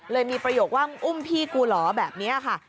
เลยมีประโยคว่ามึงอุ้มพี่กูเหรอแบบนี้ค่ะ